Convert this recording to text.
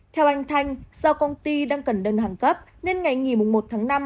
theo anh thanh do công ty đang cần đơn hàng cấp nên ngày nghỉ một tháng năm